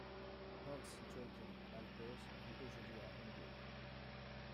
Hans Joachim Alpers vit aujourd'hui à Hambourg.